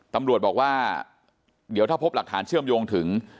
ตำรวจบอกว่าเดี๋ยวถ้าพบหลักฐานเชื่อมโยงถึง